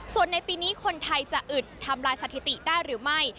ส่วนในปีนี้คนไทยจะอึดทำลายสถิติได้หรือไม่